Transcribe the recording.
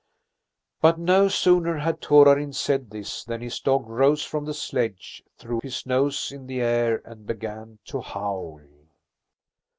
But no sooner had Torarin said this than his dog rose from the sledge, threw his nose in the air, and began to howl.